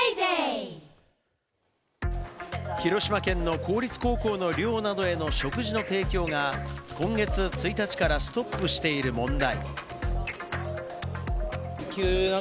広島県の公立高校の寮などへの食事の提供が今月１日からストップしている問題。